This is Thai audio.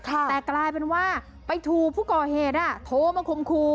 แต่กลายเป็นว่าไปถูกผู้ก่อเหตุโทรมาคมครู